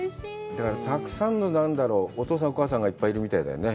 だからたくさんのお父さん、お母さんがいっぱいいるみたいだよね。